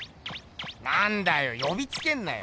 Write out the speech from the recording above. なんだよよびつけんなよ。